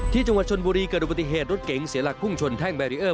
ที่จังหวัดชนบุรีเกิดอุบัติเหตุรถเก๋งเสียหลักพุ่งชนแท่งแบรีเออร์